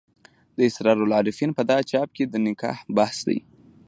د اسرار العارفین په دغه چاپ کې د نکاح بحث دی.